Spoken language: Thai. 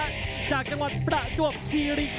คนนี้มาจากอำเภออูทองจังหวัดสุภัณฑ์บุรีนะครับ